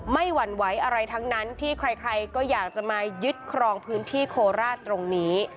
หวั่นไหวอะไรทั้งนั้นที่ใครก็อยากจะมายึดครองพื้นที่โคราชตรงนี้